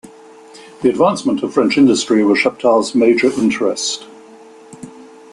The advancement of French industry was Chaptal's major interest.